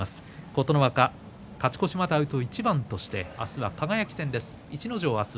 琴ノ若、勝ち越しまであと一番として明日は輝戦です。